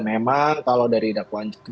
memang kalau dari dakwaan